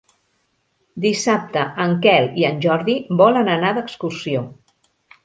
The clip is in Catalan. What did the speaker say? Dissabte en Quel i en Jordi volen anar d'excursió.